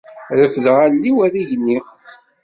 Refdeɣ allen-iw ar yigenni.